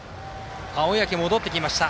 小宅、戻ってきました。